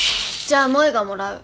じゃあ萌がもらう。